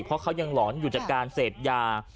เพราะเขายังหลอนอยู่จากการเสพยา